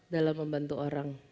dalam membantu orang